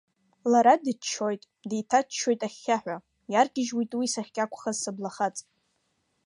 Лара дыччоит, деиҭаччоит ахьхьаҳәа, иаргьежьуеит уи сахькақәхаз сыблахаҵ.